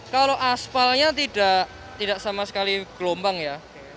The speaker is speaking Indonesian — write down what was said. kalau aspalnya tidak sama sekali gelombang ya